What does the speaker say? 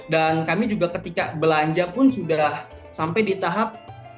dan kami juga ketika belanja pun sudah sampai di tahap